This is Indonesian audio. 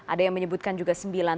ada yang menyebutkan juga sembilan